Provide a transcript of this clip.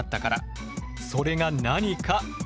それが何か。